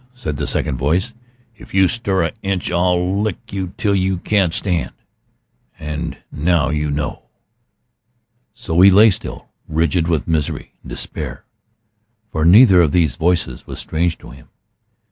said the second voice. "If you stir a inch I'll lick you till you can't stand! And now you know." So he lay still, rigid with misery and despair. For neither of these voices was strange to him.